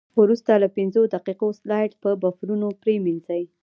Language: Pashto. وروسته له پنځو دقیقو سلایډ په بفرونو پرېمنځئ.